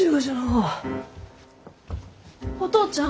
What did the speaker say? お父ちゃん？